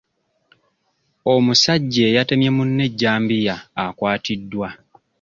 Omusajja eyatemye munne ejjambiya akwatiddwa.